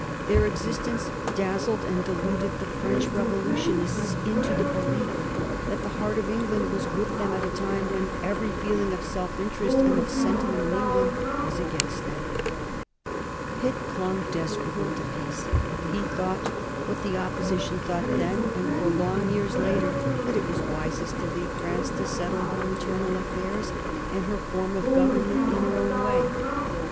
Their existence dazzled and deluded the French Revolutionists into the belief that the heart of England was with them at a time when every feeling of self interest and of sentiment in England was against them. Pitt clung desperately to peace. He thought, what the Opposition thought then and for long years later, that it was wisest to leave France to settle her internal affairs and her form of government in her own way.